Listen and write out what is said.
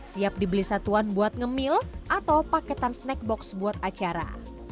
siap dibeli satuan buat ngemil atau paketan snack box buat acara